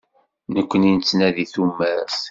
Nekkni nettnadi tumert.